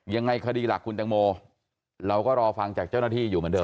ยังไงคดีหลักคุณตังโมเราก็รอฟังจากเจ้าหน้าที่อยู่เหมือนเดิ